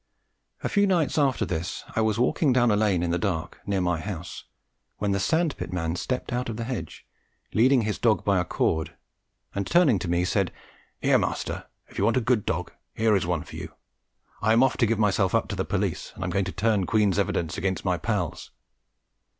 A few nights after this I was walking down a lane in the dark near my house, when the sand pit man stepped out of the hedge, leading his dog by a cord, and turning to me said, "Here, master, if you want a good dog, here is one for you; I am off to give myself up to the police, and I am going to turn queen's evidence against my pals."